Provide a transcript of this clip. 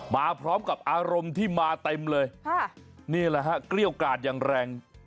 มาพร้อมกับอารมณ์ที่มาเต็มเลยนี่แหละฮะเกลี้ยวกาดอย่างแรง